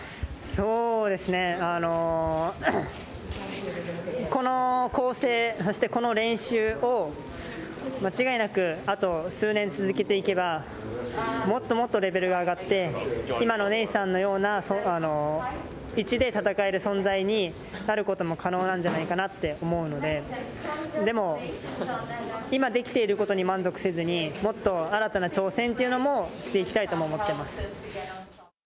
そうですね、この構成、そしてこの練習を、間違いなくあと数年続けていけば、もっともっとレベルが上がって、今のネイサンのような位置で戦える存在になることも可能なんじゃないかなって思うので、でも今できていることに満足せずに、もっと新たな挑戦というのもしていきたいとも思ってます。